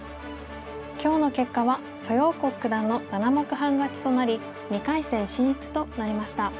今日の結果は蘇耀国九段の７目半勝ちとなり２回戦進出となりました。